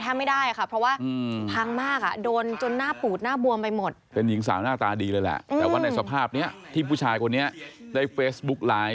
นี่ครับท่านผู้ชมครับ